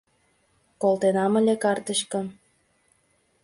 Колтенам ыле картычкым